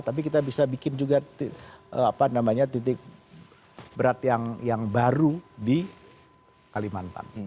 tapi kita bisa bikin juga titik berat yang baru di kalimantan